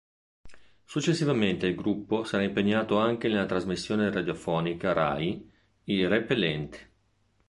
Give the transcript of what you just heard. Successivamente il gruppo sarà impegnato anche nella trasmissione radiofonica Rai "I Repellenti".